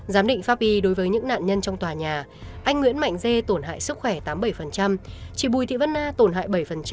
giám định pháp y đối với những nạn nhân trong tòa nhà anh nguyễn mạnh dê tổn hại sức khỏe tám mươi bảy chị bùi thị vân a tổn hại bảy